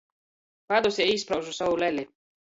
Padusē īspraužu sovu leli.